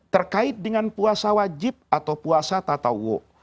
terkait dengan puasa wajib atau puasa tata wu